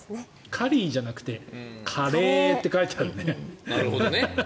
カリーじゃなくてカレーって書いてあるね。